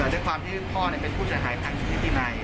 แต่ด้วยความที่พ่อเป็นผู้ฉายทางนิติใน